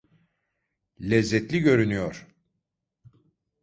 Lezzetli görünüyor.